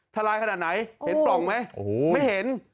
ทลายขนาดไหนเห็นปล่องไหมไม่เห็น